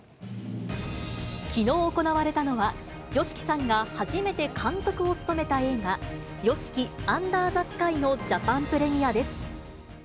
きのう行われたのは、ＹＯＳＨＩＫＩさんが初めて監督を務めた映画、ＹＯＳＨＩＫＩ：ＵＮＤＥＲ・ＴＨＥ・ＳＫＹのジャパンプレミアです。